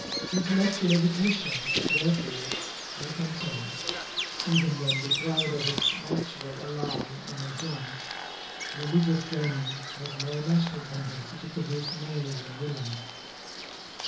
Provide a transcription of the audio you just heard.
Intellectual education, therefore, I contend, even when deprived of its natural ally and adjunct, religious training, has no natural tendency to produce knaves and villains.